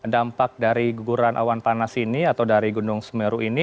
dampak dari guguran awan panas ini atau dari gunung semeru ini